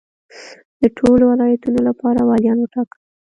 د ټولو ولایتونو لپاره والیان وټاکل.